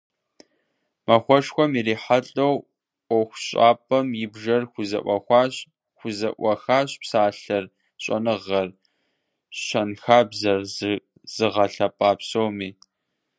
Махуэшхуэм ирихьэлӏэу ӏуэхущӏапӏэм и бжэр хузэӏуахащ псалъэр, щӏэныгъэр, щэнхабзэр зыгъэлъапӏэ псоми.